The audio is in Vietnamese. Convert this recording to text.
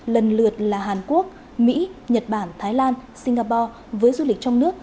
lần lượt là hàn quốc mỹ nhật bản thái lan singapore với du lịch trong nước